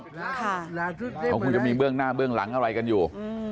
เขาคงจะมีเบื้องหน้าเบื้องหลังอะไรกันอยู่